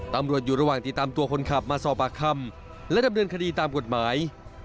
ตำรวจอยู่ระหว่างติดตามตัวคนขับมาสอบปากคำและดำเนินคดีตามกฎหมาย